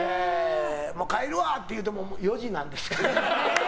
帰るわ！って言うても４時なんですけど。